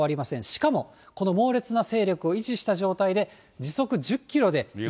しかも、この猛烈な勢力を維持した状態で、ゆっくりですよ。